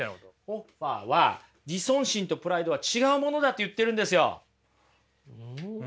ホッファーは自尊心とプライドは違うものだと言ってるんですよ。